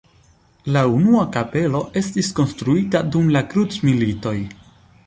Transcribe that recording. La unua kapelo estis konstruita dum la krucmilitoj.